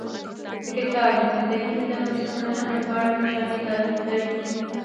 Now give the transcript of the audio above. د کتاب نوم د هند د مسلمانانو په اړه مشاهدات دی.